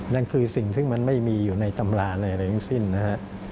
นั่นคือสิ่งที่มันไม่มีอยู่ในตำราในหลังสิ้นนะครับ